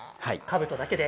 かぶとだけで。